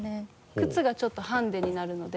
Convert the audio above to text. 靴がちょっとハンディになるので。